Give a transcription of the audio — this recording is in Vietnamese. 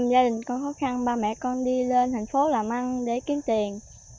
gia đình con khó khăn ba mẹ con đi lên thành phố làm ăn để kiếm tiền